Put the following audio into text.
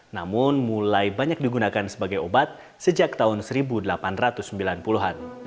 namun mulai banyak digunakan sebagai obat sejak tahun seribu delapan ratus sembilan puluh an